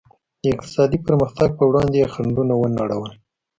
د اقتصادي پرمختګ پر وړاندې یې خنډونه ونړول.